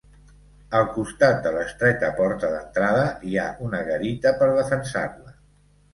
Al costat de l'estreta porta d'entrada hi ha una garita per defensar-la.